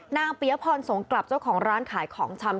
เปียพรสงกลับเจ้าของร้านขายของชำ